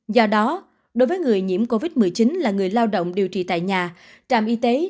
do đó đối với người nhiễm covid một mươi chín là người lao động điều trị tại nhà trạm y tế